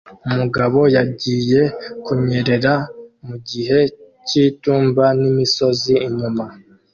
Umugabo yagiye kunyerera mu gihe cy'itumba n'imisozi inyuma